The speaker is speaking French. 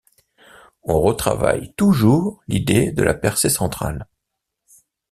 On retravaille toujours l'idée de la percée centrale.